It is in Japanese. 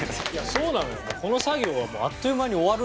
そうなのよ。